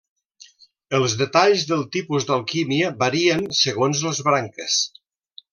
Els detalls del tipus d'alquímia varien segons les branques.